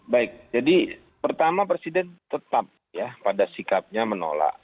baik jadi pertama presiden tetap ya pada sikapnya menolak